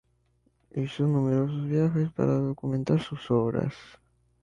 Hizo numerosos viajes para documentar sus obras.